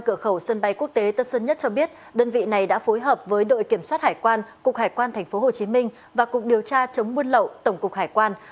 cửa khẩu sân bay quốc tế tân sơn nhất cho biết đơn vị này đã phối hợp với đội kiểm soát hải quan cục hải quan tp hcm và cục điều tra chống buôn lậu tổng cục hải quan